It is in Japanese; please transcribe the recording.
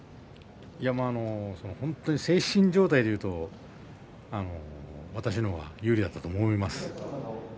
精神状態でいうと私の方が有利だったと思います。